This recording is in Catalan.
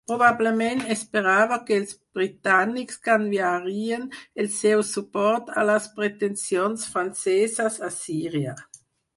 Probablement esperava que els britànics canviarien el seu suport a les pretensions franceses a Síria.